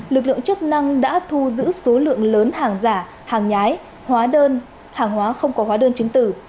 lực lượng chức năng đã thu giữ số lượng lớn hàng giả hàng nhái hóa đơn hàng hóa không có hóa đơn chứng tử